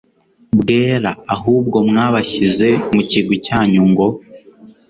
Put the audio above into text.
bwera ahubwo mwabashyize mu kigwi cyanyu ngo